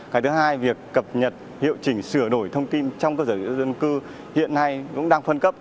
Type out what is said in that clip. cái thứ hai việc cập nhật hiệu chỉnh sửa đổi thông tin trong cơ sở dữ liệu dân cư hiện nay cũng đang phân cấp